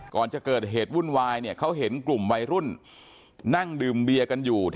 ก่อนจะเกิดเหตุวุ่นวายเนี่ยเขาเห็นกลุ่มวัยรุ่นนั่งดื่มเบียร์กันอยู่